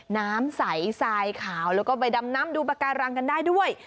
น้ำใสทรายขาวแล้วก็ไปดำน้ำดูปากการังกันได้ด้วย